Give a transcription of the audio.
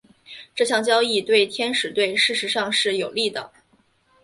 这项交易对天使队事实上是有利的。